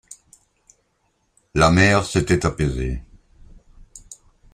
La mer s’était apaisée.